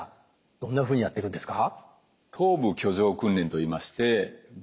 どんなふうにやってくんですか？